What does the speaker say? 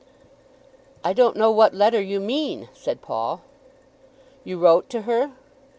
"I don't know what letter you mean," said Paul. "You wrote to her?"